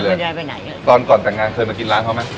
ไม่ได้ไปไหนตอนก่อนแต่งงานเคยมากินร้านเขาไหม